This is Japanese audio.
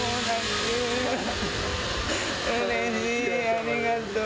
ありがとう。